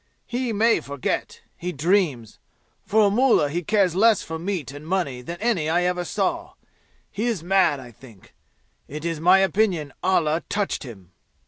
He may forget. He dreams. For a mullah he cares less for meat and money than any I ever saw. He is mad, I think. It is my opinion Allah touched him!"